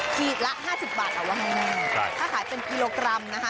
ขีดละห้าสิบบาทเอาไว้ให้มีใช่ถ้าขายเป็นกิโลกรัมนะคะ